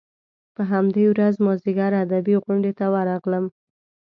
په همدې ورځ مازیګر ادبي غونډې ته ورغلم.